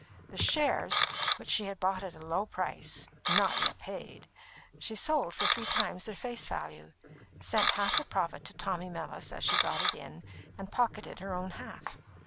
The shares which she had bought at a low price not yet paid she sold for three times their face value, sent half the profit to Tommy Mellis as she got it in, and pocketed her own half.